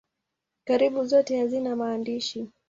Karibu zote hazina maandishi.